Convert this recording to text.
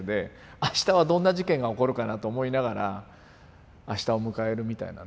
あしたはどんな事件が起こるかなと思いながらあしたを迎えるみたいなね。